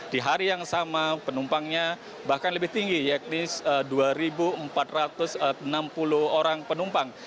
di hari yang sama penumpangnya bahkan lebih tinggi yakni dua empat ratus enam puluh orang penumpang